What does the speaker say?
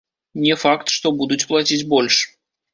Не факт, што будуць плаціць больш.